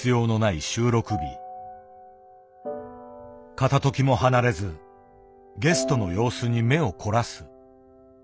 片ときも離れずゲストの様子に目を凝らす。